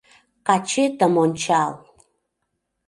Качетым ончал!